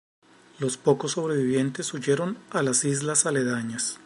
Los pocos sobrevivientes huyeron a las islas aledañas.